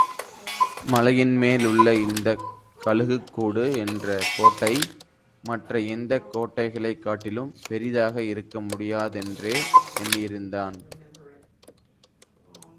மலையின்மேல் உள்ள இந்தக் கழுகுக்கூடு என்ற கோட்டை, மற்ற எந்தக் கோட்டைகளைக் காட்டிலும் பெரிதாக இருக்க முடியாதென்றே எண்ணியிருந்தான்.